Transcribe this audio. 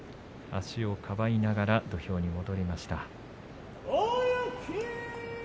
足をかばいながら土俵に戻りました。